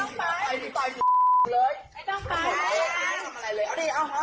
ไม่ต้องไป